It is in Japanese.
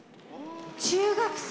中学生？